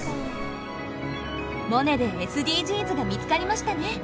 「モネ」でＳＤＧｓが見つかりましたね。